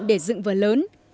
để dựng vở lớn